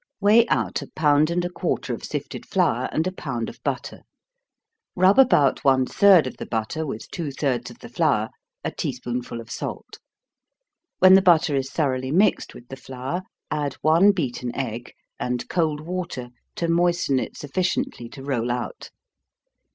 _ Weigh out a pound and a quarter of sifted flour, and a pound of butter. Rub about one third of the butter with two thirds of the flour, a tea spoonful of salt. When the butter is thoroughly mixed with the flour, add one beaten egg, and cold water to moisten it sufficiently to roll out.